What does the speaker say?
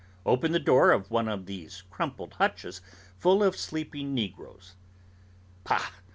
Open the door of one of these cramped hutches full of sleeping negroes. Pah!